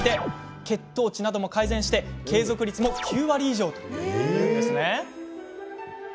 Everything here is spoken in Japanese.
血糖値なども改善して継続率も９割以上というのです。